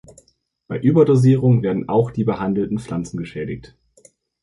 Bei Überdosierung werden auch die behandelten Pflanzen geschädigt.